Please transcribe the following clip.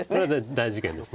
大事件です。